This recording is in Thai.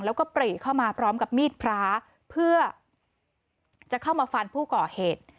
แล้วก็ปรีเข้ามาพร้อมกับมีดพระเพื่อจะเข้ามาฟันผู้ก่อเหตุ